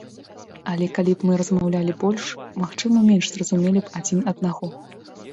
Але калі б мы размаўлялі больш, магчыма менш зразумелі б адзін аднаго.